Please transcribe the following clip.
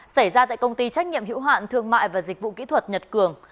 xảy ra tại công ty trách nhiệm hữu hạn thương mại và dịch vụ kỹ thuật nhật cường